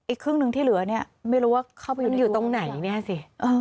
ครึ่งหนึ่งที่เหลือเนี่ยไม่รู้ว่าเข้าไปอยู่ตรงไหนเนี่ยสิ